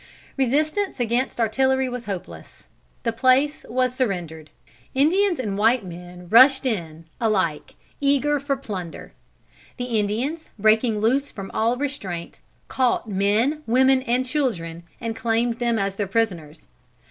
Resistance against artillery was hopeless. The place was surrendered. Indians and white men rushed in, alike eager for plunder. The Indians, breaking loose from all restraint, caught men, women and children, and claimed them as their prisoners.